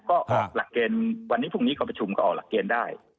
ก็ออกหลักเกณฑ์วันนี้พรุ่งนี้ก็ประชุมก็ออกหลักเกณฑ์ได้